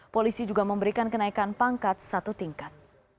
polisi juga memberikan kenaikan pangkat satu tingkat